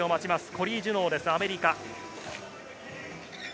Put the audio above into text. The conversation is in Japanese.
コリー・ジュノーです、アメリカ。